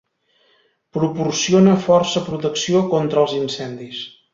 Proporciona força protecció contra els incendis.